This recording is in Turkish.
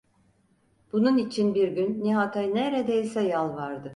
Bunun için bir gün Nihat’a neredeyse yalvardı.